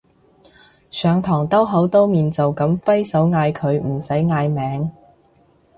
上堂兜口兜面就噉揮手嗌佢唔使嗌名